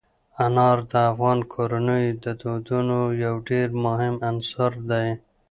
انار د افغان کورنیو د دودونو یو ډېر مهم عنصر دی.